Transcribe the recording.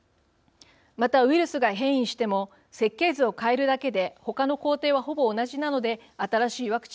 またウイルスが変異しても設計図を変えるだけでほかの工程はほぼ同じなので新しいワクチンがすぐに作れます。